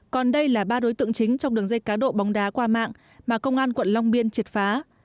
còn đây là ba đối tượng chính trong đường dây cá độ bóng đá qua mạng mà công an quận long biên triệt phá